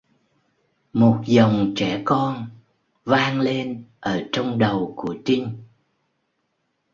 Một dòng trẻ con vang lên ở trong đầu của Trinh